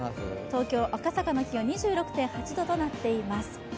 東京・赤坂の気温２６．８度となっています。